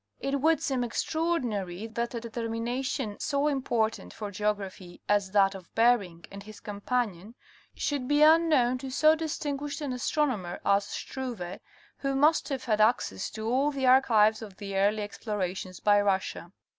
It would seem extraordinary that a determination so important for geography as that of Berg and his companion should be unknown to so distinguished an astronomer as Struve who must have had access to all the archives of the early explora tions by Russia.